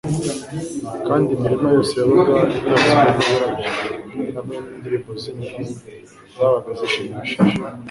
kandi imirima yose yabaga itatswe n'uburabyo, hamwe n'indirimbo z'inyoni zabaga zishimishije